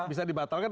bisa dibatal kan